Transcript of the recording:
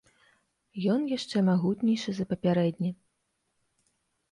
Ён яшчэ магутнейшы за папярэдні.